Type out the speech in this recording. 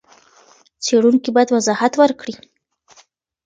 څېړونکی بايد وضاحت ورکړي.